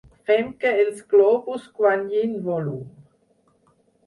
Fem que els globus guanyin volum.